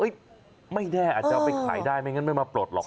ไม่แน่อาจจะเอาไปขายได้ไม่งั้นไม่มาปลดหรอก